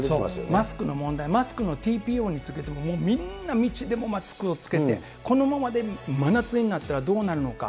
マスクの問題、マスクのＴＰＯについても、もうみんな道でもマスクを着けてこのままで真夏になったらどうなるのか。